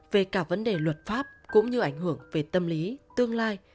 về cả vấn đề luật pháp cũng như ảnh hưởng về tâm lý tương lai